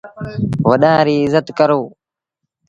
وڏآن ريٚ ازت ڪرو۔